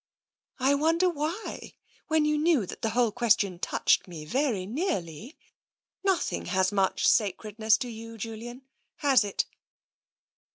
" I wonder why, when you knew that the whole ques tion touched me very nearly. Nothing has much sacredness to you, Julian, has it